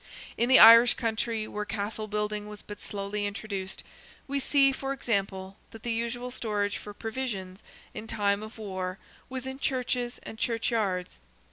In the Irish country, where castle building was but slowly introduced, we see, for example, that the usual storage for provisions, in time of war, was in churches and churchyards.